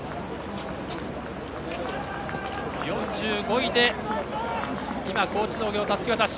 ４５位で高知農業、たすき渡し。